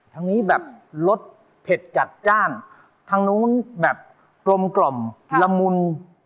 ทางนี้แบบรสเผ็ดจัดจ้านทางนู้นแบบกลมกล่อมละมุน